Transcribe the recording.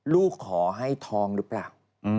ลูกขอให้ทองหรือเปล่า